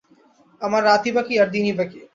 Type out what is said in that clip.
আমার রাতই বা কী, আর দিনই বা কী!